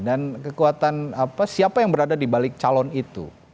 dan kekuatan siapa yang berada dibalik calon itu